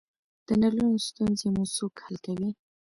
د نلونو ستونزې مو څوک حل کوی؟